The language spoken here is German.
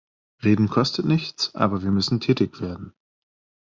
Reden kostet nichts, aber wir müssen tätig werden.